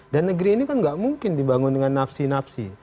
dan negeri ini kan gak mungkin dibangun dengan napsi napsi